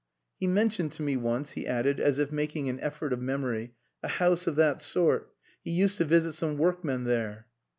"He mentioned to me once," he added, as if making an effort of memory, "a house of that sort. He used to visit some workmen there."